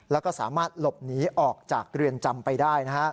แล้วก็สามารถหลบหนีออกจากเรือนจำไปได้นะฮะ